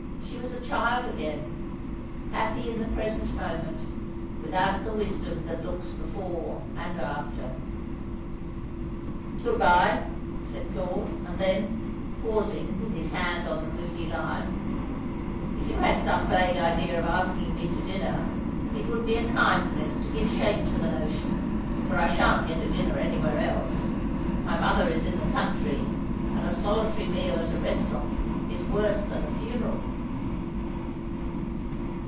She was a child again, happy in the present moment, without the wisdom that looks before and after. "Good bye," said Claude; and then, pausing, with his hand on the moody lion, "if you had some vague idea of asking me to dinner, it would be a kindness to give shape to the notion, for I shan't get a dinner anywhere else. My mother is in the country, and a solitary meal at a restaurant is worse than a funeral."